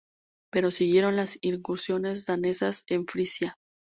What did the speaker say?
Pero siguieron las incursiones danesas en Frisia.